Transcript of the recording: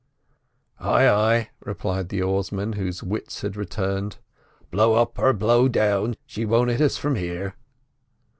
"Ay, ay," replied the oarsman, whose wits had returned. "Blow up or blow down, she won't hit us from here."